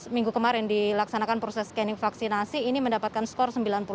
minggu kemarin dilaksanakan proses scanning vaksinasi ini mendapatkan skor sembilan puluh delapan